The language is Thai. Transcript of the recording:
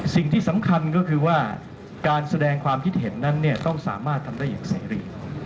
สิ่งที่สำคัญก็คือว่าการแสดงความคิดเห็นนั้นเนี่ยต้องสามารถทำได้อย่างเสรี